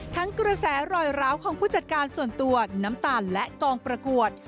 กระแสรอยร้าวของผู้จัดการส่วนตัวน้ำตาลและกองประกวด